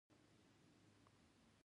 د میلمه مخې ته ښه خواړه ایښودل کیږي.